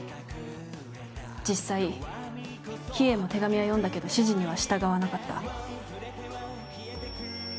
実際秘影も手紙は読んだけど指示には従わなかった。